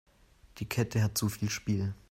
Die Kette hat zu viel Spiel.